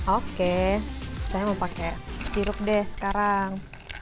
oke saya mau pakai sirup deh sekarang